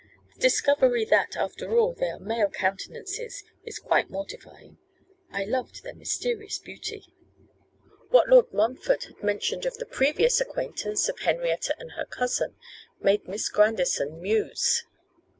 The discovery that, after all, they are male countenances is quite mortifying. I loved their mysterious beauty.' What Lord Montfort had mentioned of the previous acquaintance of Henrietta and her cousin made Miss Grandison muse.